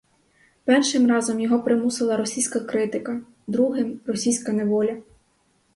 Першим разом його примусила російська критика, другим — російська неволя.